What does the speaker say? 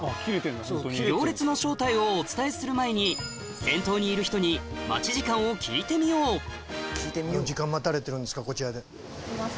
行列の正体をお伝えする前に先頭にいる人に待ち時間を聞いてみよう３時間？